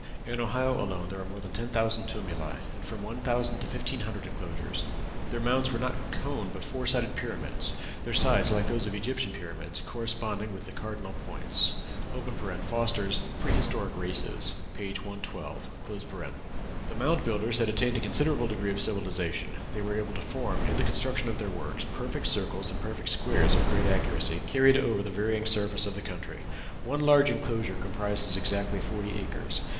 In Ohio alone there are more than ten thousand tumuli, and from one thousand to fifteen hundred enclosures. Their mounds were not cones but four sided pyramids their sides, like those of the Egyptian pyramids, corresponding with the cardinal points. (Foster's "Prehistoric Races," p. 112.) The Mound Builders had attained a considerable degree of civilization; they were able to form, in the construction of their works, perfect circles and perfect squares of great accuracy, carried over the varying surface of the country. One large enclosure comprises exactly forty acres.